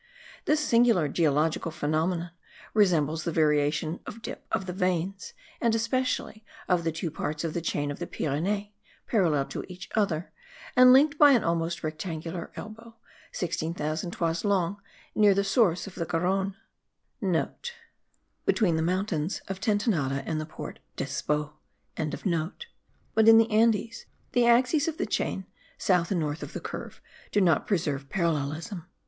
This singular geological phenomenon resembles the variation of dip of the veins, and especially of the two parts of the chain of the Pyrenees, parallel to each other, and linked by an almost rectangular elbow, 16,000 toises long, near the source of the Garonne;* (* Between the mountain of Tentenade and the Port d'Espot.); but in the Andes, the axes of the chain, south and north of the curve, do not preserve parallelism.